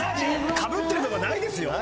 かぶってるのがないですよ。